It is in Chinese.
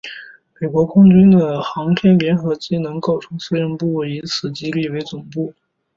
美国空军的航天联合机能构成司令部即以此基地为总部。